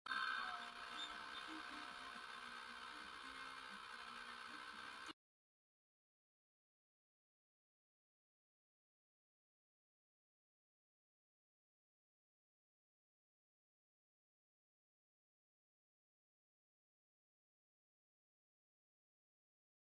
Why is such a brash character using a delicate term like “satisfy”?